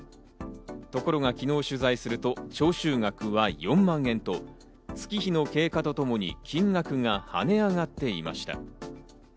ところが、昨日取材すると徴収額は４万円と月日の経過とともに金額が跳ね上がっていました。